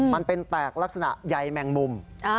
มันเป็นแตกลักษณะใยแมงมุม